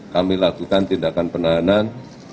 kami lakukan tindakan penahanan